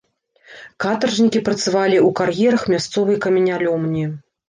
Катаржнікі працавалі ў кар'ерах мясцовай каменяломні.